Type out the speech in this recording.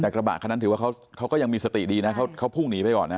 แต่กระบะคันนั้นถือว่าเขาก็ยังมีสติดีนะเขาพุ่งหนีไปก่อนนะ